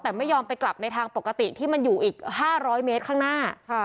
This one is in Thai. แต่ไม่ยอมไปกลับในทางปกติที่มันอยู่อีก๕๐๐เมตรข้างหน้า